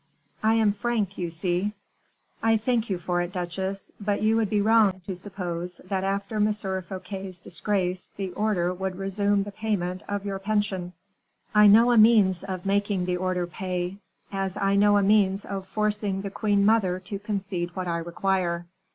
"I am frank, you see." "I thank you for it, duchesse; but you would be wrong to suppose that after M. Fouquet's disgrace the order would resume the payment of your pension." "I know a means of making the order pay, as I know a means of forcing the queen mother to concede what I require."